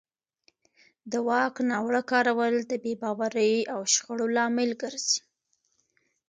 د واک ناوړه کارول د بې باورۍ او شخړو لامل ګرځي